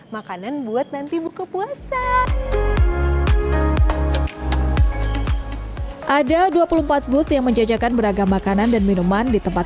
makanan buat nanti buka puasa ada dua puluh empat booth yang menjajakan beragam makanan dan minuman di tempat